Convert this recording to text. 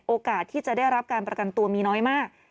โอกาสที่จะได้รับการประกันตัวมีน้อยมาก